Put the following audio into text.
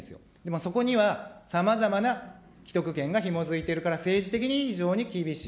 そこにはさまざまな既得権がひもづいているから、政治的に非常に厳しい。